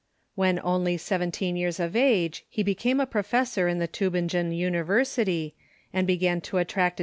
When only seventeen years of age he became a pro fessor in the Tubingen University, and began to attract atten * Some say 1498.